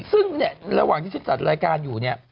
ซึ่งเนี่ยระหว่างที่ฉันจัดรายการอยู่เนี่ย